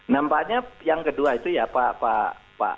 nampaknya yang kedua itu ya pak harso mono arfa